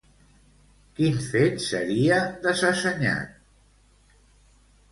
Quin fet seria desassenyat?